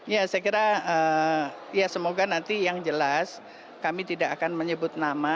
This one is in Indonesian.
ya saya kira ya semoga nanti yang jelas kami tidak akan menyebut nama